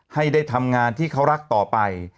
ให้ได้ทำงานที่เขารักต่อไป